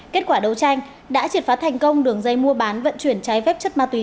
kết quả đấu tranh đã triệt phá thành công đường dây mua bán vận chuyển trái phép chất ma túy